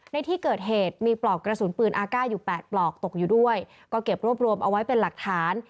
ในที่เกิดเหตุมีปลอกกระสุนปืนอากาศอยู่๘ปลอกตกอยู่ด้วยก็เก็บรวบรวมเอาไว้เป็นหลักฐาน